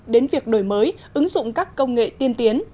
đến việc đổi mới ứng dụng các công nghệ tiên tiến